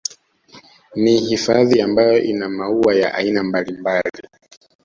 Ni hifadhi ambayo ina maua ya aina mbalimbali